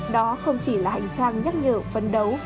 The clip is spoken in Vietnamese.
đó không chỉ là hành trang nhắc nhở phấn đấu